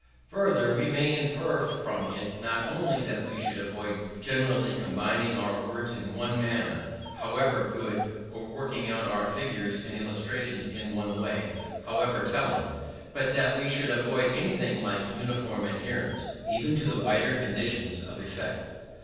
Further, we may infer from it not only that we should avoid generally combining our words in one manner, however good, or working out our figures and illustrations in one way, however telling; but that we should avoid anything like uniform adherence, even to the wider conditions of effect.